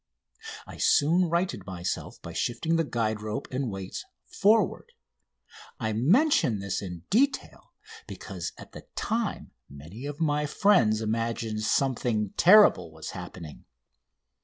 I soon righted myself by shifting the guide rope and the weights forward. I mention this in detail because at the time many of my friends imagined something terrible was happening.